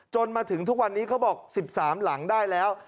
จนถึงทุกวันนี้เขาบอก๑๓หลังได้แล้ว